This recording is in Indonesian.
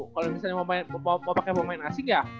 kalau misalnya mau pakai pemain asing ya